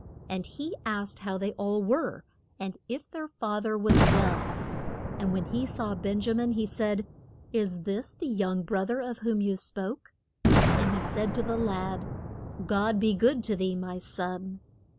And he asked how they all were, and if their fath er was well; and when he saw Ben ja min he said, Is this the young broth er of whom you spoke? And he said to the lad, God be good to thee, my son.